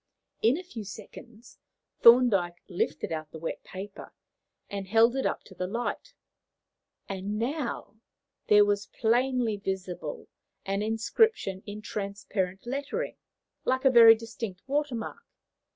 In a few seconds Thorndyke lifted out the wet paper, and held it up to the light, and now there was plainly visible an inscription in transparent lettering, like a very distinct water mark.